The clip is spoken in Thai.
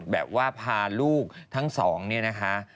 แบบว่าพาลูกทั้งสองเนี่ยนะคะ